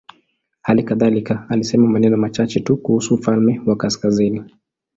Hali kadhalika alisema maneno machache tu kuhusu ufalme wa kaskazini.